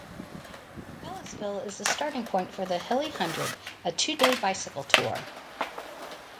Ellettsville is the starting point for the Hilly Hundred, a two-day bicycle tour.